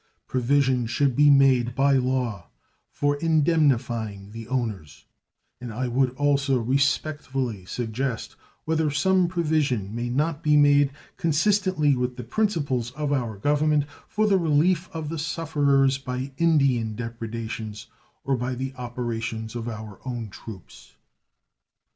Provision should be made by law for indemnifying the owners; and I would also respectfully suggest whether some provision may not be made, consistently with the principles of our Government, for the relief of the sufferers by Indian depredations or by the operations of our own troops.